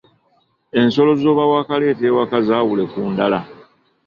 Ensolo z’oba waakaleeta ewaka zaawule ku ndala.